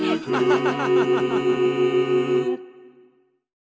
ハハハ。